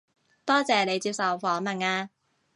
多謝你接受訪問啊